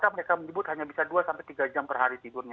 mereka menyebut hanya bisa dua tiga jam per hari tidurnya